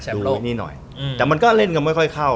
ดูเลขนี้หน่อยแต่มันก็เล่นกันไม่ค่อยเข้า